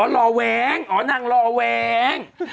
อ๋อรอแวงนางรอแวง